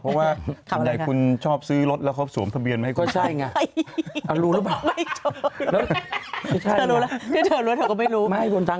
เพราะว่าอันดักคุณชอบซื้อรถแล้วเขาสวมทะเบียนมาให้คุณ